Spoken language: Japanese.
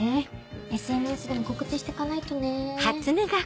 ＳＮＳでも告知していかないとね。